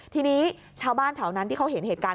ทีนี้ชาวบ้านแถวนั้นที่เขาเห็นเหตุการณ์